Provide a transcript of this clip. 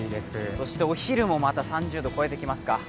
そしてお昼もまた３０度、超えてきますか？